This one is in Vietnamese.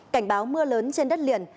cảnh báo mưa lớn trên đất liền